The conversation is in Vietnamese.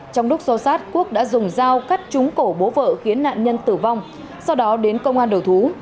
trong lúc xô sát quốc đã dùng dao cắt trúng cổ bố vợ khiến nạn nhân tử vong sau đó đến công an đầu thú